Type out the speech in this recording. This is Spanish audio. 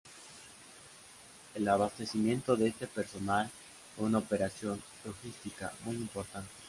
El abastecimiento de este personal fue una operación logística muy importante.